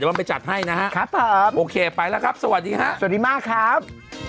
จะมาไปจัดให้นะครับครับโอเคไปแล้วครับสวัสดีครับสวัสดีมากครับ